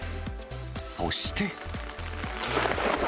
そして。